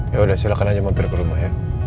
yaudah silakan aja mampir ke rumah ya